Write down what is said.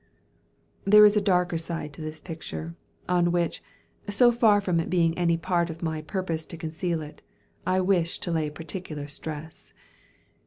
There is a darker side to this picture, on which, so far from its being any part of my purpose to conceal it, I wish to lay particular stress.